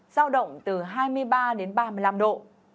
giao động từ hai mươi ba đến ba mươi năm độ